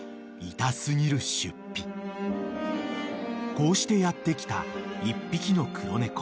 ［こうしてやって来た１匹の黒猫］